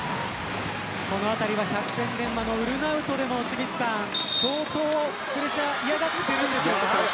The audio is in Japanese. このあたりは百戦錬磨のウルナウトでも相当プレッシャー嫌がっているんでしょうか。